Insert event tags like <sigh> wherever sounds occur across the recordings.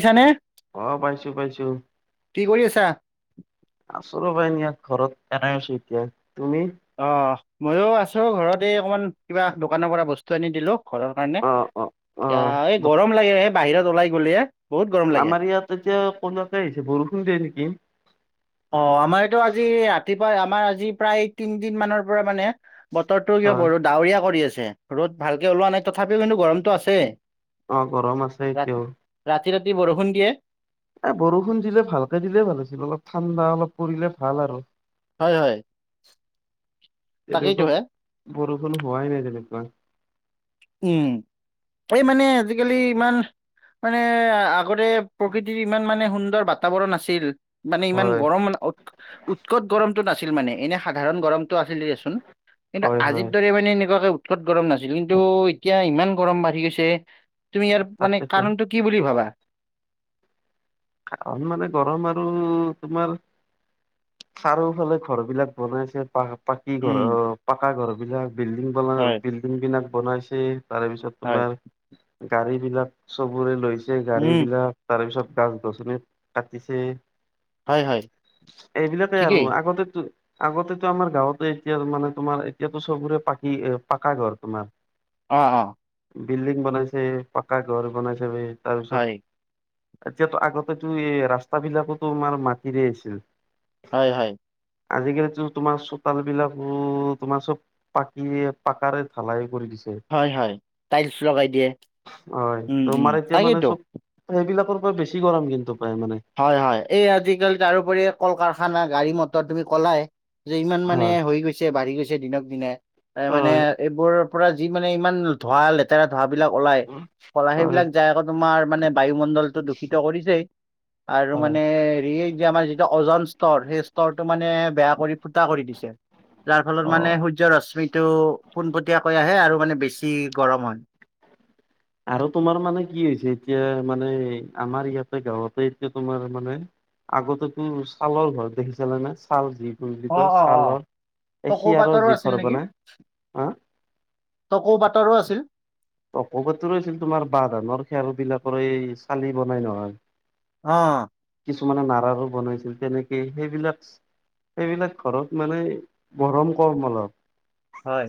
শুনিছানে অ', পাইছোঁ-পাইছোঁ। কি কৰি আছা আছোঁ ৰবা এনে ইয়াত ঘৰত এনে আছোঁ এতিয়া, তুমি? অ', মইো আছোঁ ঘৰত এই অকমান কিবা দোকানৰ পৰা বস্তু আনি দিলোঁ ঘৰৰ কাৰণে। অ অ অ এ এই গৰম লাগে এই বাহিৰত ওলাই গলে। বহুত গৰম লাগে আমাৰ ইয়াত এতিয়া কলাকাই আহিছে, বৰষুণ দিয়ে নেকি? অ', আমাৰ এইটো আজি ৰাতিপুৱা আমাৰ আজি প্ৰায় তিনদিন মানৰ পৰা মানে বতৰটো কিয় হয় ব ডাৱৰীয়া কৰি আছে, ৰ'দ ভালকৈ ওলোৱা নাই তথাপিও কিন্তু গৰমটো আছেই। গৰম আছে এতিয়াও। ৰাতি-ৰাতি বৰষুণ দিয়ে। এ বৰষুণ দিলে ভালকে দিলে ভাল হৈছিল অলপ ঠাণ্ডা অলপ পৰিলে ভাল আৰু। হয় হয় তাকেইতো তেনেকুৱা হে বৰষুণ হোৱাই নাই তেনেকুৱা। উম, এই মানে আজিকালি ইমান মানে আগতে প্ৰকৃতিৰ ইমান মানে সুন্দৰ বাতাবৰণ আছিল মানে ইমান হয় গৰম, উৎ-উৎকট গৰমতটো নাছিল মানে এনে সাধাৰণ গৰম আছিল দিয়াচোন, কিন্তু হয় হয় আজিৰ দৰে মানে এনেকুৱাকে উৎত গৰম নাছিল। কিন্তু কিন্তু এতিয়া ইমান গৰম বাঢ়ি গৈছে, তুমি ইয়াৰ মানে তাকেতো কাৰণটো কি বুলি ভাবা? আন মানে গৰম আৰু তোমাৰ চাৰিওফালে ঘৰ বিলাক বনাইছে পাহ পাকি ঘৰ উম অ, পাকা ঘৰ বিলাক বিল্ডিং বনাই হয় বিল্ডিং বিলাক বনাইছে তাৰ পিছত হয় তোমাৰ গাড়ী বিলাক, চবোৰে লৈছে গাড়ী উম বিলাক তাৰ পিছত গ ৰচনিট কাটিছে, হয় হয় এইবিলাকেই আৰু ঠিকেই আগতেতো আগতেটো আমাৰ গাঁৱতে এতিয়া মানে তোমাৰ এতিয়াতো চবৰে পাকি পাকা ঘৰ তোমাৰ। অ', অ'। বিল্ডিং বনাইছে পাকা ঘৰ বনাই ছবে, তাৰ পিছত হয় এতিয়াতো আগতেতো এই ৰাস্তা বিলাকোটো আমাৰ মাটিৰে আছিল। হয়, হয়। আজিকালিতো তোমাৰ চোতাল বিলাক তোমাৰ চব পাকি পাকাৰে ঢালাই কৰি দিছে। হয় হয় টাইলছ লগাই দিয়ে হয়। উম ত উম তোমাৰা এতিয়া মানে তাকেইতো চব সেইবিলাকৰ পৰা বেছি গৰম কিন্তু পায় মানে। হয়, হয় এই আজিকালি তাৰোপৰি কল কাৰখানা গাড়ী মটৰ তুমি কলাই। যে ইমান মানে হয় হৈ গৈছে বাঢ়ি গৈছে দিনক দিনে, তাৰ মানে হয় এইবোৰৰ পৰা যি মানে ইমান ধোঁৱ লেতেৰা ধোঁৱাবলাক ওলাই, পলা হয় সেইবিলাক যায় আগত তোমাৰ মানে বায়ুমণ্ডলটো দূষিত কৰিছেই আৰু হয়। মানে হেৰি এই যে আমাৰ যিটো অজন স্তৰ, সেই স্তৰটো মানে বেয়া কৰি ফুটা কৰি দিছে। যাৰ ফলত মানে অ'। সূৰ্যৰ ৰশমিতটো পোনপটীয়াকৈ আহে আৰু মানে বেছি গৰম হয়। আৰু তোমাৰ মানে কি হৈছে এতিয়া মানে আমাৰ ইয়াতে গাঁৱতে এতিয়া তোমাৰ মানে আগতেতো ছালৰ ঘৰত দেখি চিলা নে? ছাল যি বুলি অ কয় অ অ ছালৰ টকৌ এখিয়াৰ পাতৰো যি আছিল ঘৰ নেকি বনাই, হ টকৌ পতৰো আছিল। টকৌ পাটৰো আছিল তোমাৰ বাহ ধানৰ খেৰ বিলাকৰ এই চালি বনাই নহয়। অ'। কিছুমানে নাৰাৰো বনাইছিল তেনেকে, সেইবিলাক এইবিলাক ঘৰত মানে গৰম কম অলপ। হয়।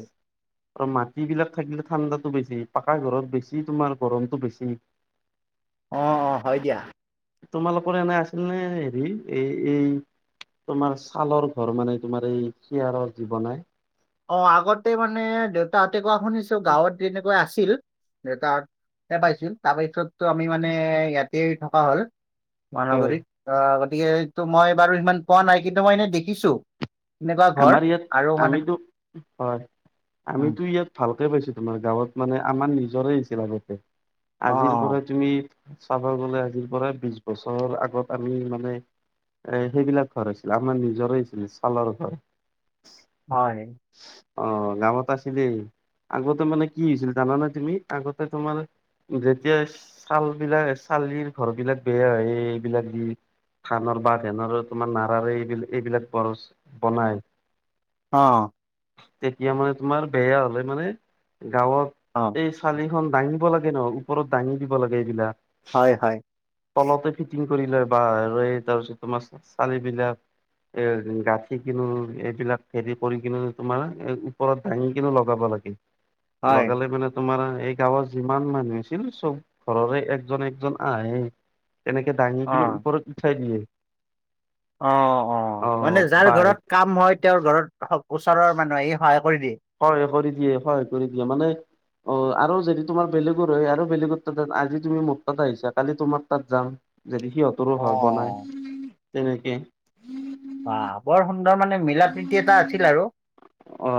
আৰু মাটি বিলাক থাকিলে ঠাণ্ডাতটো বেছি। পাকা ঘৰত বেছি তোমাৰ গৰমতটো বেছি। অ' অ' হয় দিয়া। তোমালোকৰ এনে আছিল নে হেৰ এই -এই তোমাৰ ছালৰ ঘৰ মানে তোমাৰ এই শিয়াৰৰ যি বনাই? অ' আগতে মানে দেউতাহঁতে কোৱা শুনিছো গাঁৱত তেনেকৈ আছিল। দেউতাহতে পাইছিল তাৰপিছতো আমি মানে ইয়াতেই থকা হ'ল। মহানগৰীত, অ' গতিকে এইটো মই বাৰু সিমান পোৱা নাই কিন্তু মই এনেই দেখিছো। এনেকুৱা ঘৰ আমাৰ ইয়াত আৰু মানে আমিতো হয় আমি উম টো ইয়াত ভালকে পাইছো, তোমাৰ গাঁৱত মানে আমাৰ নিজৰে আহিছিল আগতে। অ আজিৰ পৰা তুমি চাব গ'লে আজিৰ পৰা বিশ বছৰৰ আগত আমি মানে এ সেইবিলাক ঘৰ আছিলে, আমাৰ নিজৰে আছিলে ছালৰ ঘৰ। হয়। অ' গাঁৱত আছিলেই। আগতে মানে কি হৈছিল জানানে তুমি, আগতে তোমাৰ যেতিয়া ছাল বিলাক চালিৰ ঘৰ বিলাক বেয়া হয় এইবিলাক দি ধানৰ বা ধেনৰ তোমাৰ নাৰাৰে এইবিল এইবিলাক বছ বনাই অ'। তেতিয়া মানে তোমাৰ বেয়া হলে মানে গাঁৱত অ এই চালিখন দাঙিব লাগে ন, ওপৰত দাঙি দিব লাগে এইবিলাক। হয় হয়। তলতে ফিটিং কৰি লয় বা তাৰপিছত তোমাৰ চালিবিলাক এ গাঁঠি কিনো এইবিলাক হেৰি কৰি কিনে তোমাৰ ওপৰত দাঙি কিনে লগাব লাগে। হয় লগালে মানে। তোমাৰ এই গাঁৱত যিমান মানুহ আছিল চব ঘৰৰে একজন -একজন আহে। তেনেকে দাঙি অ কিন্তু ওপৰত উঠাই দিয়ে। অ' অ' মানে যাৰ বাই ঘৰত কাম হয় তেওঁৰ ঘৰত ওচৰৰ মানুহ আহি সহায় কৰি দিয়ে? সহায় কৰি দিয়ে সহায় কৰি দিয়ে, মানে অ' আৰু যদি তোমাৰ বেলেগৰ হয় আৰু বেলেগতাত আজি তুমি মোৰ তাত আহিছা কালি তোমাৰ তাত যাম। যদি সিহঁতৰো অ ঘৰ বনায় তেনেকে। বা বৰ সুন্দৰ মানে। মিলা প্ৰীতি এটা আছিল আৰু অ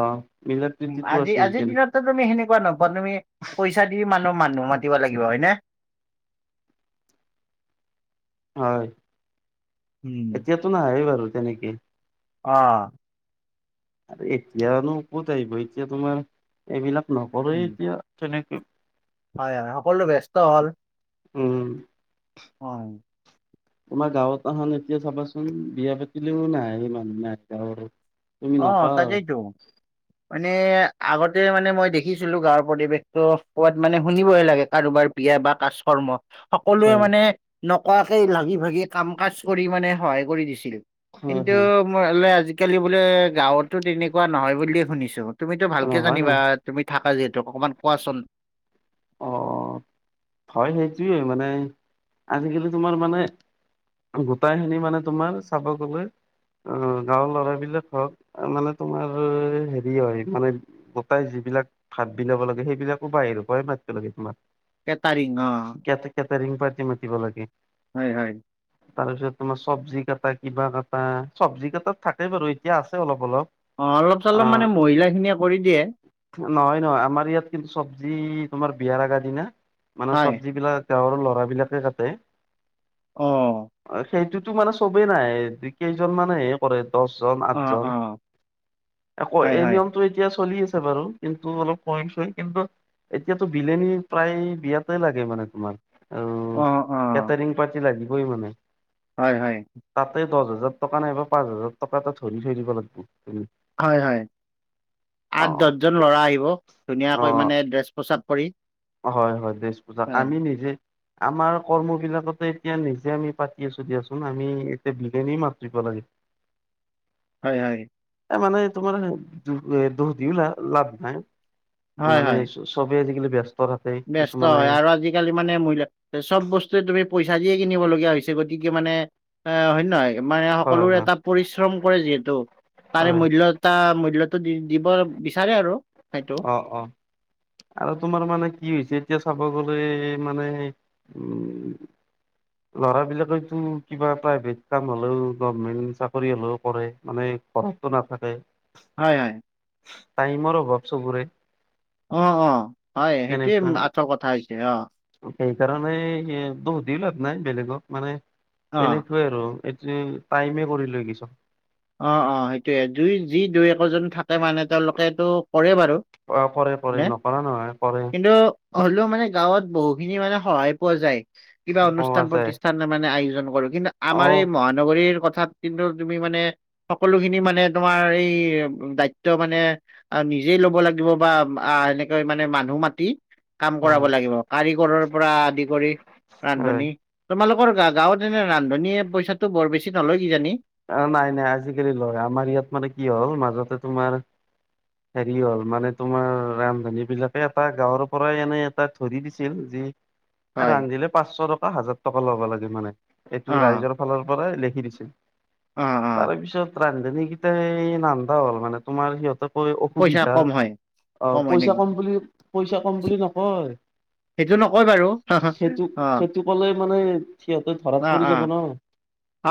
মিলা প্ৰীতিটো আজি আছিল আজিৰ তেনে দিনত তুমি সেনেকুৱা নোপোৱা তুমি পইচা দি মানুহ মানুহ মাতি লাগিব হয় নে? হয় উম। এতিয়াতো নাহেই বাৰু তেনেকে। অ' আৰু এতিয়ানো ক'ত আহিব এতিয়া তোমাৰ এইবিলাক নকৰে উম। এতিয়া তেনেকে। হয় -হয় সকলো ব্যস্ত হল। উম। হয়। তোমাৰ গাঁৱত আহান এতিয়া চাবাচোন বিয়া পাতিলেও নাই মানুহ নাই গাঁৱৰো অ' তাকেইটো মানে আগতে মানে মই দেখিছিলো গাঁৱৰ পৰিৱেশ। ত পোৱাত মানে শুনিবহে লাগে কাৰোবাৰ বিয়া বা কাজ কৰ্ম সকলোৱে হয় মানে। নকোৱাকেই লাগি ভাগি কাম কাজ কৰি মানে সহায় কৰি দিছিল। হয় কিন্তু হয় মই হ'লে আজিকালি বোলে গাঁৱতো তেনেকুৱা নহয় বুলিয়ে শুনিছো তুমিতো ভালকে নহয় ন জানিবা। তুমি থাকা যিহেতু অকণমান কোৱাচোন? অ হয় সেইটোয়ে মানে আজিকালি তোমাৰ মানে। গোটাই খিনি মানে তোমাৰ চাব গ'লে। অ' গাঁৱৰ ল'ৰা বিলাক হওক মানে তোমাৰ হেৰি হয় মানে। গোটাই যিবিলাক ভাত বিলাব লাগে সেইবিলাকো বাহিৰৰ পৰাই মাতিব লাগে তোমাক। কেতাৰিং অ। কে কেটৰিং পাৰ্টি মাতিব লাগে। হয় হয় তাৰপিছত তোমাৰ চব্জি কাটা, কিবা কাটা, চব্জি কাটাত থাকেই বাৰু এতিয়া আছে অলপ অলপ। অ অলপ চলপ অ মানে মহিলা খিনিয়ে কৰি দিয়ে। নহয় নহয় আমাৰ ইয়াত কিন্তু চব্জি তোমাৰ বিয়াৰ আগাৰ দিনা মানে হয় চব্জিবিলাক গাঁৱৰ ল'ৰাবিলাকে কাটে। অ। অ সেইটোতো মানে চবেই নাহে দুই কেইজন মান আহে। কৰে দছজন অ আঠজন অ আকৌ হয় এই হয় নিয়ম এতিয়া চলি আছে বাৰু কিন্তু অলপ কৈনছে কিন্তু এতিয়াতো বিলানী প্ৰায় বিয়াত তেই লাগে মানে তোমাৰ আৰু অ অ কেটাৰিং পাৰ্টি লাগিবই মানে। হয় হয়। তাতে দহ হাজাৰ টকা নাইবা পাঁচ হাজাৰ টকা এটা ধৰি থৈ দিব লাগিব তুমি। হয় হয় আঠ অ দহ‌ জন ল'ৰা আহিব ধুনিয়াকৈ অ মানে ড্ৰেছ- প্ৰসাদ কৰি হয় হয় দেছ পূচাক হয় আমি নিজে আমাৰ কৰ্মবিলাকতে এতিয়া নিজে আমি পাতি আছো দিয়াচোন আমি এতিয়া বিলনি মাতিব লাগে। হয় হয়। এ মানে তোমাৰ দুখ দিও লা লাভ নাই হয় হয় মানেছ চবেই আজিকালি ব্যস্ত থাকে ব্যস্ত কিছুমানে হয় আৰু আজি আজিকালি মানে মহিলা চব বস্তুৱে তুমি পইচা দিয়ে কিনিব লগীয়া হৈছে গতিকে মানে এ হয় নহয় মানে হয় সকলোৰে হয় এটা পৰিশ্ৰম কৰে যিহেতু তাৰে হয় মূল্যত টা মূল্যটো দি দিব বিচাৰে আৰু সেইটো অ, অ। আৰু তোমাৰ মানে কি হৈছে এতিয়া চাব গলে মানে উম <inaudible> ল'ৰাবিলাকেতো কিবা প্ৰাইভেট কাম হলেও গভমেন্ট চাকৰি হলেও কৰে মানে ত নাথাকে। হয় হয়। টাইমৰ অভাৱ চবৰে। অ অ হয় সেইটোৱে তেনেকুৱা আচল কথা হৈছে অ। সেইকাৰণে দুখদি লাভ নাই বেলেগক মানে অ তেনেকুৱাই আৰু এইটো টাইমে কৰি লৈ গি চব। অ অ সেইটোয়ে দুই যি দুই একোজন থাকে মানে তেওঁলোকেটো কৰে বাৰু অ কৰে কৰে নে নকৰা নহয় কৰে। কিন্তু হ'লেও মানে গাঁৱত বহু খিনি মানে সহায় পোৱা যায়। কিবা পোৱা অনুষ্ঠান যায় প্ৰতিষ্ঠান মানে আয়োজন কৰো কিন্তু অ আমাৰ এই মহানগৰীৰ কথাত কিন্তু তুমি মানে সকলোখিনি মানে তোমাৰ এই দায়িত্ব মানে আৰু নিজেই ল'ব লাগিব বা আহ এনেকৈ মানে মানুহ মাতি কাম কৰাব হয় লাগিব কাৰিকৰৰ পৰা আদি কৰি হয় ৰান্ধনি। তোমালোকৰ গা গাঁৱত এনে ৰান্ধনীয়ে পইচাটো বৰ বেছি নলয় কিজানি? অ নাই নাই আজিকালি লয় আমাৰ ইয়াত মানে কি হ'ল মাজতে তোমাৰ হেৰি হ'ল মানে তোমাৰ ৰান্ধনী বিলাকে এটা গাঁৱৰ পৰাই এনেই এটা ধৰি দিছিল যি <inaudible> ৰান্ধিলে পাঁচশ টকা হাজাৰ টকা ল'ব লাগে মানে অ এইটো ৰাইজৰ ফালৰ পৰাই লিখি দিছিল। অ অ তাৰপিছত ৰান্ধনীকেইটাই নানদা হ'ল মানে তোমাৰ সিহঁতক ক পইচা অসুবিধা কম হয় অ কম হয় পইচা নেকি কম বুলি পইচা কম বুলি নকয়। সেইটো নকয় বাৰু সেইটো অ সেইটো ক'লে মানে সিহঁতে ধৰাত অ পৰি অ যাব ন।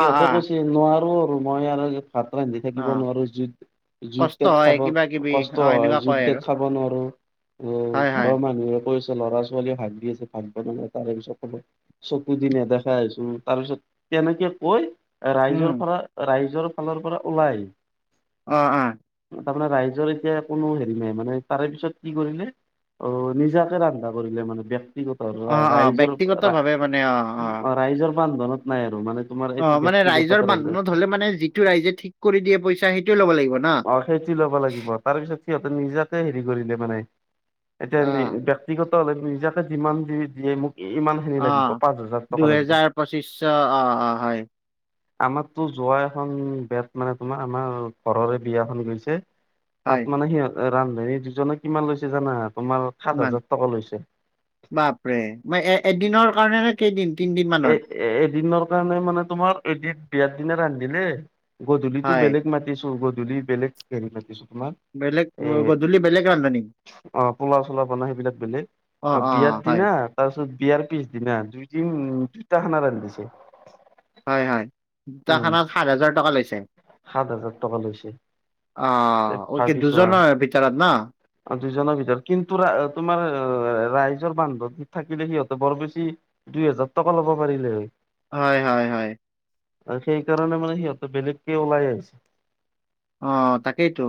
অ', অ'। নোৱাৰোঁ আৰু মই আৰু ভাত ৰান্ধি অ', থাকিব নোৱাৰোঁ, জুইত জুইত কষ্ট তগ হয় খাব কিবা কিবি কষ্ট অ', হয় এনেকুৱা জুইত কয় ডগ আৰু খাব নোৱাৰোঁ। হয়, ত হয়, ঘৰৰ মানুহে কৈছে ল'ৰা ছোৱালীয়ে হাক দি আছে ভাত বনাব তাৰপিছত কব চকু দি নেদেখা গৈছে, তাৰ পিছত তেনেকে কৈ উম, ৰাইজৰ পৰা ৰাইজৰ ফালৰ পৰা ওলাই অ', অ'। তাৰমানে ৰাইজৰ এতিয়া কোনো হেৰি নাই মানে তাৰে পিছত কি কৰিলে অ', নিজাকে ৰন্ধা কৰিলে মানে বেক কথা অ', অ', ব্যক্তিগত ভাৱে মানে অ', অ', ৰাইজৰ-ৰাইজৰ বান্ধনত নাই আৰু মানে তোমাৰ অ', মানে এইটো ব্যক্তিগত ৰাইজৰ কৰে বান্ধোনত হলে মানে যিটো ৰাইজে ঠিক কৰি দিয়ে পইচা সেইটোয়ে ল'ব লাগিব ন? সেইটো ল'ব লাগিব। তাৰ পিছত সিহঁতে নিজাতে হেৰি কৰি দিয়ে মানে এতিয়া নি অ', ব্যক্তিগত হলে নিজাকে যিমান য দিয়ে মোক ইমানখিনি লাগিব পাঁচ হাজাৰ টকা লাগিব। পচিষ্য অ', অ', হয়। আমাৰতো যোৱা এখন বেত মানে তোমাৰ আমাৰ ঘৰৰে বিয়াখন গৈছে। তাত হয়, মানে সি ৰান্ধনী দুজনে কিমান লৈছে জানা, তোমাৰ সাত ইমান হাজাৰ টকা লৈছে। বাপৰে মই এ এদিনৰ কাৰণে নে কেইদিন, তিনদিন মানত? এ এদিনৰ কাৰণে মানে তোমাৰ এদিন বিয়াৰ দিনা ৰান্ধিলে গধূলিতো হয়, বেলেগ মাতিছোঁ, গধূলি বেলেগ হেৰি মাতিছোঁ তোমাৰ। বেলেগ এ গধূলি বেলেগ ৰান্ধনী অ', পোলাউ, চোলাউ বনাই সেইবিলাক বেলেগ। অ', আৰু বিয়াৰ অ', হয়, দিনা তাৰপিছত বিয়াৰ পিছ দিনা দুইদিন উম দুইটা খানা ৰান্ধিছে। হয়, হয় দুটা উম খানাত সাত হাজাৰ টকা লৈছে? সাত হাজাৰ টকা লৈছে অ', ও কি দুজনৰ ভিতৰত ন? অ', দুইজনৰ ভিতৰত কিন্তুৰা তোমাৰ ৰাইজৰ বান্ধৱত থাকিলে সিহঁতে বৰ বেছি দুই হেজাৰ টকা ল'ব পাৰিলে হয়। হয়, হয়, হয়। আৰু সেইকাৰণে মানে সিহঁতে বেলেগকে ওলাই আহিছে। অ', তাকেইতো।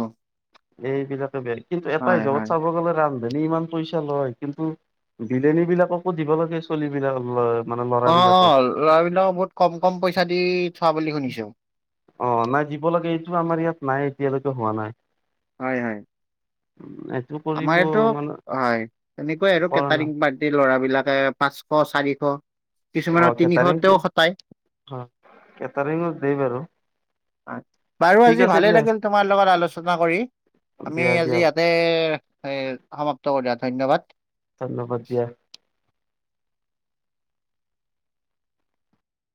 এইবিলাকে বেয়া কিন্তু এটা হয়, হিচাপত হয়। চাব গ'লে ৰান্ধ নী ইমান পইচা লয় কিন্তু বিলনী বিলাককো দিব লাগে চলিবিলাক ল অ', অ', লৰা বিলাকক বহুত কম কম পইচা দি থোৱা বুলি শুনিছোঁ। অ', নাই দিব লাগে এইটো আমাৰ ইয়াত নাই এতিয়ালৈকে হোৱা নাই। হয়, হয়। <unintelligible> আমাৰ এইটো মানে হয়। তেনেকুৱাই আৰু কৰা নাই কেটাৰিং সেই ল'ৰা বিলাকে পাঁচশ, চাৰিশ অ', কিছুমানৰ খেটাৰিং। তিনিশতেও খটাই। অ', কেটাৰিঙো যেই বাৰু। বাৰু ঠিক আজি আছে ভালেই দিয়া লাগিল তোমাৰ লগত আলোচনা কৰি। আমি দিয়া আজি দিয়া ইয়াতে এ সমাপ্ত কৰোঁ দিয়া ধন্যবাদ। ধন্যবাদ দিয়া।